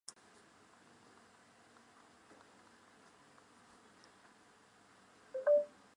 博物馆外